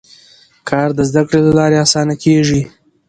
کار د زده کړې له لارې اسانه کېږي